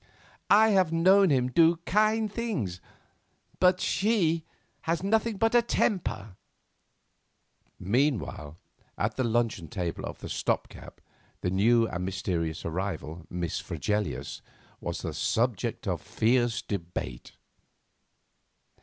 I have known him do kind things, but she has nothing but a temper." Meanwhile, at the luncheon table of the Stop gap the new and mysterious arrival, Miss Fregelius, was the subject of fierce debate.